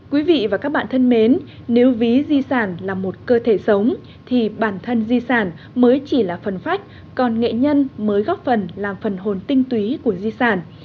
quý vị và các bạn thân mến nếu ví di sản là một cơ thể sống thì bản thân di sản mới chỉ là phần phách còn nghệ nhân mới góp phần làm phần hồn tinh túy của di sản